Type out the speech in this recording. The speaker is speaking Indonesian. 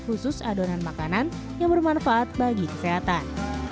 khusus adonan makanan yang bermanfaat bagi kesehatan